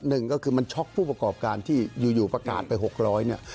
หนึ่งก็คือมันช็อกผู้ประกอบการที่อยู่ประกาศไป๖๐๐เนี่ย